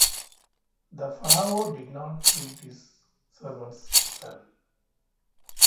The pharaoh did not treat his servants well.